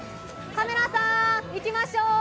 カメラさん、行きましょう。